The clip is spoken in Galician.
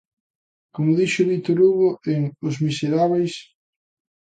Como dixo Victor Hugo en "Os Miserábeis".